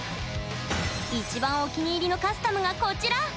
一番お気に入りのカスタムがこちら。